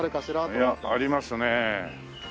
いやなりますね。